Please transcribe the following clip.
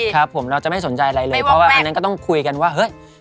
ครับผมเราจะไม่สนใจอะไรเลยเพราะว่าอันนั้นก็ต้องคุยกันว่าเฮ้ย